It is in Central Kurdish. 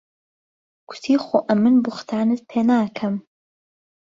کوتی خۆ ئهمن بوختانت پێ ناکهم